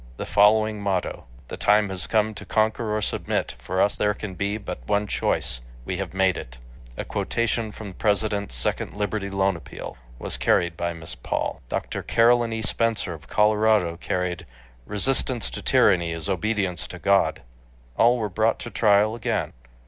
The following motto: THE TIME HAS COME TO CONQUER OR SUBMIT; FOR US THERE CAN BE BUT ONE CHOICE WE HAVE MADE IT. a quotation from the President's second Liberty Loan appeal, was carried by Miss Paul. Dr. Caroline E. Spencer of Colorado carried: RESISTANCE TO TYRANNY IS OBEDIENCE TO GOD. All were brought to trial again.